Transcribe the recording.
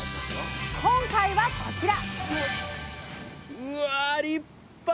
今回はこちら！